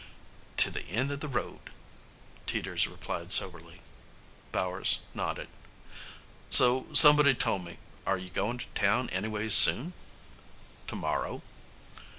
"To the end of the road," Teeters replied soberly. Bowers nodded. "So somebody told me. Are you goin' to town anyways soon?" "To morrow."